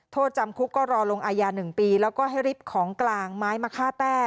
โทษจำคุกก็รอลงอายา๑ปีแล้วก็ให้ริบของกลางไม้มาฆ่าแต้